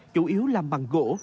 chủ yếu là bằng gỗ